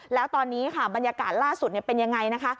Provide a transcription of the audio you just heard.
แล้วตอนนี้ค่ะบรรยากาศล่าสุดเป็นยังไงนะคะ